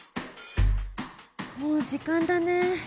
もう時間だね。